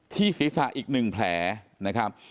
ที่ศิษย์ศาสตร์อีก๑แผลนะครับ